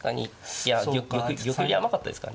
いや玉寄り甘かったですかね。